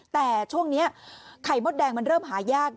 แต่ช่วงนี้ไข่มดแดงมันเริ่มหายาก